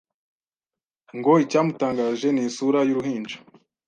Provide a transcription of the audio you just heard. Ngo icyamutangaje ni isura y’uruhinja